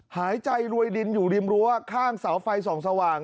หายใจรวยดินอยู่ริมรั้วข้างเสาไฟส่องสว่าง